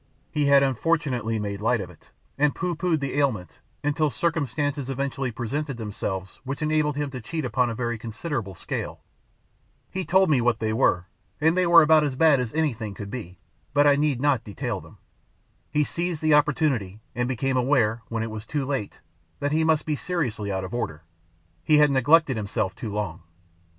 He had unfortunately made light of it and pooh poohed the ailment, until circumstances eventually presented themselves which enabled him to cheat upon a very considerable scale;—he told me what they were, and they were about as bad as anything could be, but I need not detail them;—he seized the opportunity, and became aware, when it was too late, that he must be seriously out of order. He had neglected himself too long.